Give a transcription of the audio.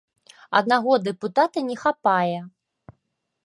Аднаго дэпутата не хапае!